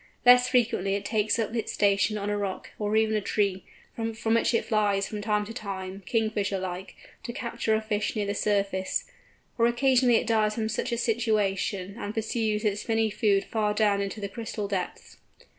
Less frequently it takes up its station on a rock, or even on a tree, from which it flies from time to time, Kingfisher like, to capture a fish near the surface; or occasionally it dives from such a situation, and pursues its finny food far down into the crystal depths.